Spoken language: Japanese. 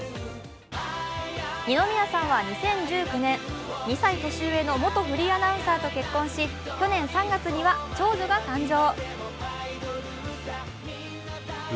二宮さんは２０１９年、２歳年上の元フリーアナウンサーと結婚し去年３月には長女が誕生。